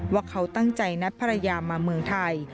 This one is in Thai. ว่าเขาตั้งใจนัดภรรยามาเมืองไทย